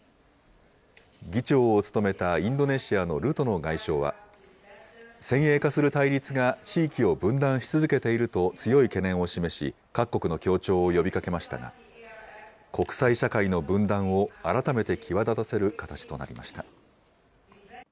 議長を務めたインドネシアのルトノ外相は、先鋭化する対立が地域を分断し続けていると強い懸念を示し、各国の協調を呼びかけましたが、国際社会の分断を改めて際立たせる形となりました。